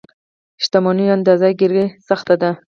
شتمنيو اندازه ګیري سخته ده.